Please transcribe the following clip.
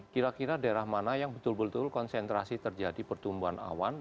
kira kira daerah mana yang betul betul konsentrasi terjadi pertumbuhan awan